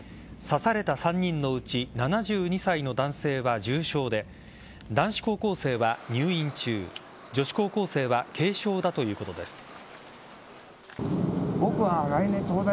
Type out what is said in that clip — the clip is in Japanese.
刺された３人のうち７２歳の男性は重傷で男子高校生は入院中女子高校生は軽傷だということです。